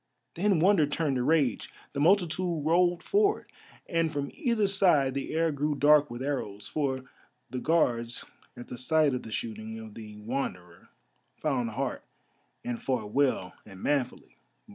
Then wonder turned to rage; the multitude rolled forward, and from either side the air grew dark with arrows. For the Guards at the sight of the shooting of the Wanderer found heart and fought well and manfully.